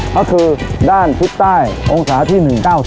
ก็คือด้านทิศใต้องศาที่๑๙๓